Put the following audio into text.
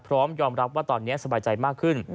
พร้อมยอมรับว่าตอนนี้สบายใจมากขึ้น